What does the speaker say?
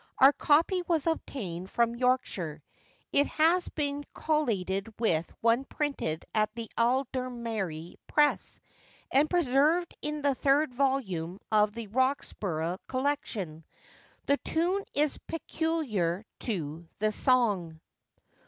Our copy was obtained from Yorkshire. It has been collated with one printed at the Aldermary press, and preserved in the third volume of the Roxburgh Collection. The tune is peculiar to the song.